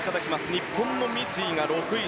日本の三井が６位。